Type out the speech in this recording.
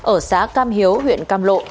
ở xã cam hiếu huyện cam lộ